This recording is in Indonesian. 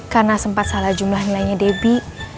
karena sempat salah jumlah nilainya debbie